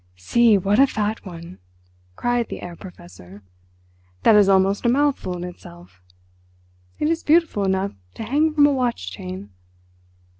"See what a fat one!" cried the Herr Professor. "That is almost a mouthful in itself; it is beautiful enough to hang from a watch chain."